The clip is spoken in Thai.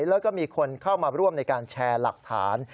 แล้วก็มีคนเข้ามาร่วมในการแชร์หลักฐาน